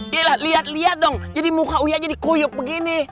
yelah liat liat dong jadi muka uya jadi kuyuk begini